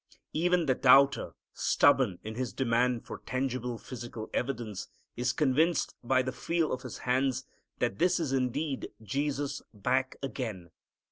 Even the doubter, stubborn in his demand for tangible, physical evidence, is convinced by the feel of his hands that this is indeed Jesus back again.